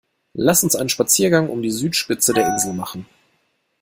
Lass uns einen Spaziergang um die Südspitze der Insel machen!